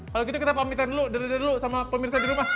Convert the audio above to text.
kalau gitu kita pamitkan dulu dadah dulu sama pemirsa di rumah